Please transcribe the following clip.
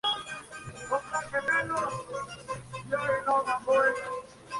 Cuando Sylvia Beach murió, el nombre fue cambiado por el de Shakespeare and Company.